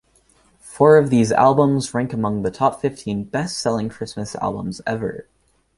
Four of these albums rank among the top fifteen best-selling Christmas albums ever.